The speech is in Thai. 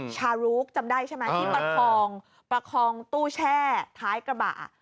ชารูกจำได้ใช่ไหมที่ประคองประคองตู้แช่ท้ายกระบะ